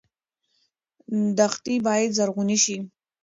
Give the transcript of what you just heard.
دښتې باید زرغونې شي.